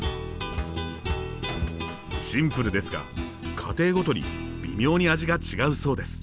シンプルですが家庭ごとに微妙に味が違うそうです。